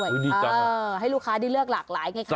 อุ๊ยดีจังหรอเออให้ลูกค้าได้เลือกหลากหลายไงคะ